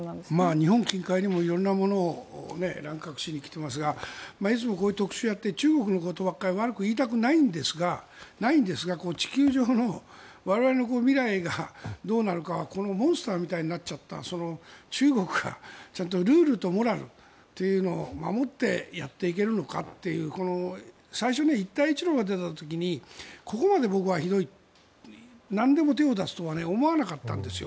日本近海にも色んなものを乱獲しに来ていますがいつもこういう特集をやって中国のことばかり悪く言いたくないんですが地球上の我々の未来がどうなるかはこのモンスターみたいになっちゃった中国がちゃんとルールとモラルを守ってやっていけるのかという最初に一帯一路が出た時にここまで僕はひどいなんでも手を出すとは思わなかったんですよ。